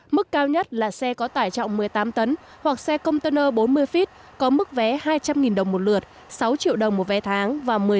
mức cao nhất là xe có tải trọng một mươi tám tấn hoặc xe container bốn mươi feet có mức vé hai trăm linh đồng một lượt sáu triệu đồng một vé tháng và một mươi